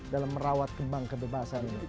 dalam merawat kembang kebebasan ini